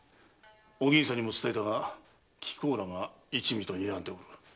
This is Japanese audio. お吟さんにも伝えたが貴公らが一味と睨んでおる。